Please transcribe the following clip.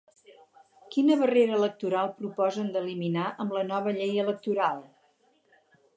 Quina barrera electoral proposen d'eliminar amb la nova llei electoral?